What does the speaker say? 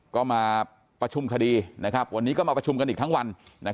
ก็มาประชุมคดีวันนี้ก็มาประชุมกันอีกทั้งวัน